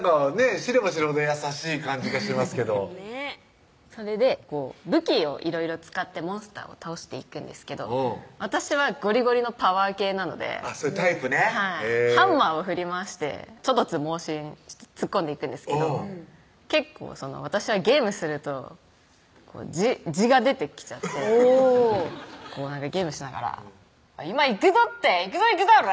知れば知るほど優しい感じがしますけどそれで武器をいろいろ使ってモンスターを倒していくんですけど私はゴリゴリのパワー系なのでタイプねハンマーを振り回して猪突猛進突っ込んでいくんですけど結構私はゲームすると地が出てきちゃっておぉゲームしながら「今行くぞって行くぞ行くぞオラ」